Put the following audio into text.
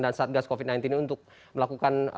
dan satgas covid sembilan belas untuk melakukan